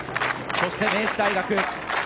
そして、明治大学。